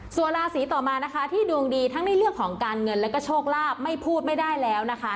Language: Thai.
ส่วนราศีต่อมานะคะที่ดวงดีทั้งในเรื่องของการเงินแล้วก็โชคลาภไม่พูดไม่ได้แล้วนะคะ